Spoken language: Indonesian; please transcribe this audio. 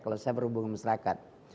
kalau saya berhubungan masyarakat